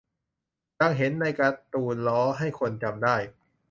ดังเห็นในการ์ตูนล้อ ให้คนจำได้